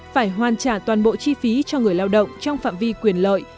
phải hoàn trả toàn bộ chi phí cho người lao động trong phạm vi quyền lợi